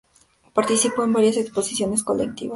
Participó en varias exposiciones colectivas.